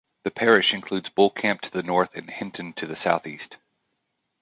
The parish includes Bulcamp to the north and Hinton to the south-east.